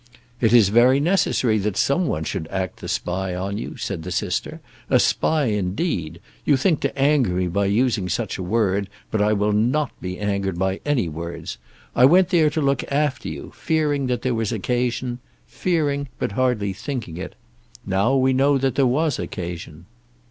"It is very necessary that some one should act the spy on you," said the sister. "A spy, indeed! You think to anger me by using such a word, but I will not be angered by any words. I went there to look after you, fearing that there was occasion, fearing it, but hardly thinking it. Now we know that there was occasion."